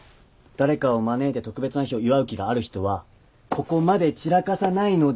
誰かを招いて特別な日を祝う気がある人はここまで散らかさないのでは？